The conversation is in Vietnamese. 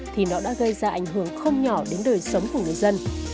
thì nó đã gây ra ảnh hưởng không nhỏ đến đời sống của người dân